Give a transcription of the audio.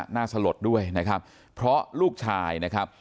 สลดด้วยนะครับเพราะลูกชายนะครับ